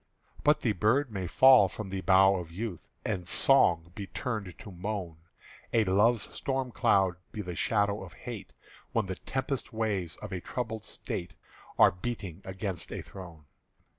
But the bird may fall from the bough of youth, And song be turned to moan, And Love's storm cloud be the shadow of Hate, When the tempest waves of a troubled State Are beating against a throne.